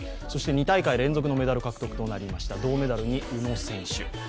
そして２大会連続のメダル獲得となりました、銅メダルに宇野昌磨選手。